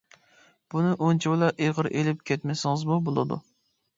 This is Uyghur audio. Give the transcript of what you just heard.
بۇنى ئۇنچىۋالا ئېغىر ئېلىپ كەتمىسىڭىزمۇ بولىدۇ.